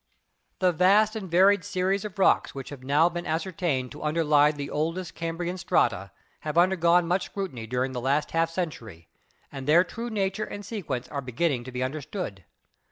The vast and varied series of rocks which have now been ascertained to underlie the oldest Cambrian strata have undergone much scrutiny during the last half cen tury, and their true nature and sequence are beginning to be understood.